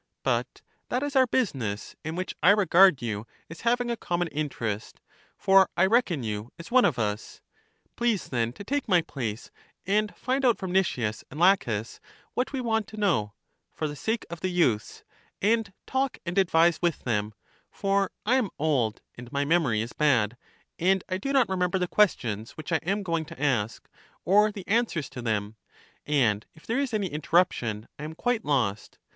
But that is our business, in which I regard you as having a common interest; for I reckon you as one of us. Please then to take my place, and find out from Nicias and Laches what we want to know, for the sake of the youths, and talk and advise with them: for I am old, and my memory is bad; and I do not remember the questions which I am goinr to ask, or the answers to them ; and if there is any inter ruption I am quite lost.